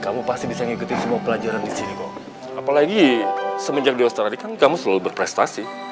mas taradi kan kamu selalu berprestasi